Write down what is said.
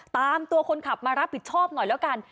ตามตัวคนขับมารับผิดชอบหน่อยแล้วกัน